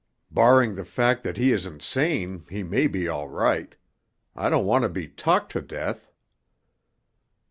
"Barring the fact that he is insane, he may be all right. I don't want to be talked to death."